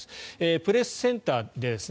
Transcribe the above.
プレスセンターですね